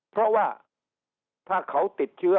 เพราะว่าถ้าเขาติดเชื้อ